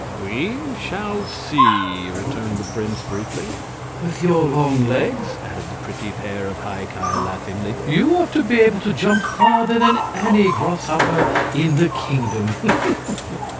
"We shall see," returned the prince, briefly. "With your long legs," added the pretty pair of High Ki, laughingly, "you ought to be able to jump farther than any other grasshopper in the kingdom."